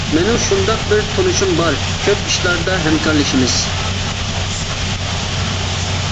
مېنىڭ شۇنداق بىر تونۇشۇم بار، كۆپ ئىشلاردا ھەمكارلىشىمىز.